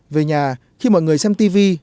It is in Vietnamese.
về nhà khi mọi người xem tv